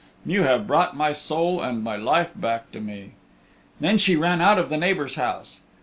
You have brought my soul and my life back to me." Then she ran out of the neighbor's house.